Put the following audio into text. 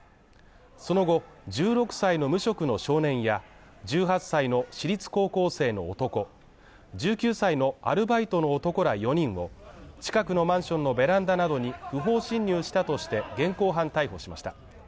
その後、１６歳の無職の少年や１８歳の私立高校生の男１９歳のアルバイトの男ら４人を、近くのマンションのベランダなどに不法侵入したとして現行犯逮捕しました。